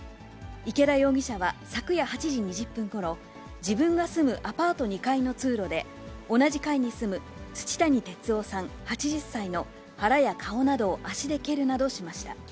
池田容疑者は昨夜８時２０分ごろ、自分が住むアパート２階の通路で、同じ階に住む土谷哲男さん８０歳の腹や顔などを足で蹴るなどしました。